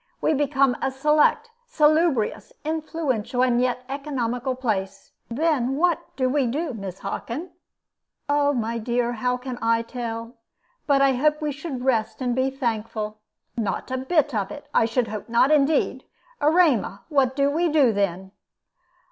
We become a select, salubrious, influential, and yet economical place; and then what do we do, Mrs. Hockin?" "My dear, how can I tell? But I hope that we should rest and be thankful." "Not a bit of it. I should hope not, indeed. Erema, what do we do then?"